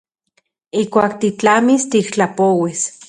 Ijkuak titlamis tiktlapouis.